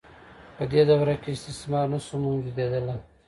په دې دوره کې استثمار نشو موجودیدلای.